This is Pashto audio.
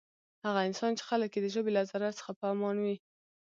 هغه انسان چی خلک یی د ژبی له ضرر څخه په امان وی.